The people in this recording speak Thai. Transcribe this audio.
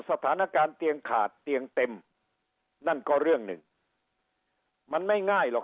สถานการณ์เตียงขาดเตียงเต็มนั่นก็เรื่องหนึ่งมันไม่ง่ายหรอก